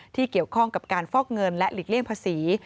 ที่เกี่ยวข้องกับการฟอกเงินและหลีกเลี่ยงภาษี